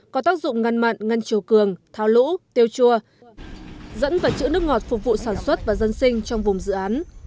có tác dụng ngăn mặn ngăn chiều cường tháo lũ tiêu chua dẫn và chữ nước ngọt phục vụ sản xuất và dân sinh trong vùng dự án